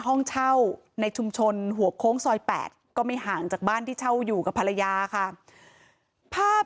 ห้องเช่าในชุมชนหัวโค้งซอย๘ก็ไม่ห่างจากบ้านที่เช่าอยู่กับภรรยาค่ะภาพ